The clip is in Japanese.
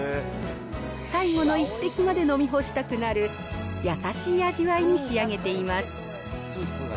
最後の一滴まで飲み干したくなる、優しい味わいに仕上げています。